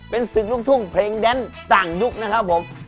เป็นศึกลูกทุ่งเพลงแดนต่างยุคนะครับผม